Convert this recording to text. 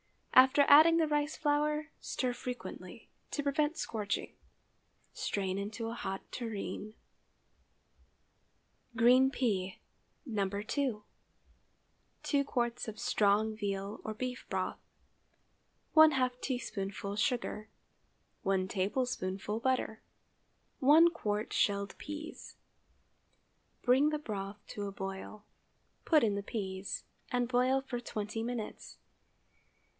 After adding the rice flour, stir frequently, to prevent scorching. Strain into a hot tureen. GREEN PEA (No. 2.) 2 qts. of strong veal or beef broth. ½ teaspoonful sugar. 1 tablespoonful butter. 1 qt. shelled peas. Bring the broth to a boil; put in the peas, and boil for twenty minutes.